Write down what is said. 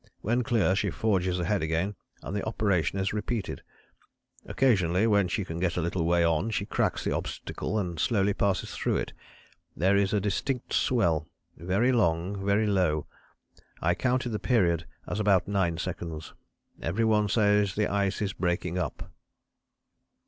When clear she forges ahead again and the operation is repeated. Occasionally when she can get a little way on she cracks the obstacle and slowly passes through it. There is a distinct swell very long, very low. I counted the period as about nine seconds. Every one says the ice is breaking up."